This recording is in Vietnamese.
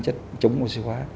chất chống oxy hóa